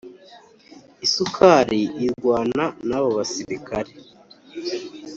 Isukari irwana nabobasirikare